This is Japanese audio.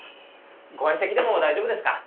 ご相席でも大丈夫ですか？